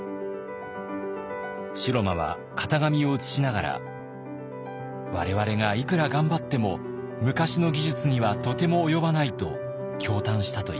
城間は型紙を写しながら「我々がいくら頑張っても昔の技術にはとても及ばない」と驚嘆したといいます。